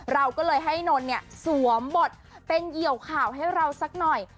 เราก็เลยให้นนท์เนี่ยสวมบทเป็นเหยี่ยวข่าวให้เราสักหน่อย